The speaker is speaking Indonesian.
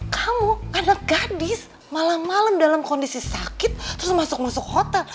kamu anak gadis malem malem dalam kondisi sakit terus masuk masuk hotel